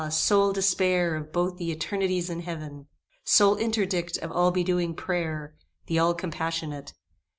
sole despair Of both the eternities in Heaven! Sole interdict of all bedewing prayer, The all compassionate!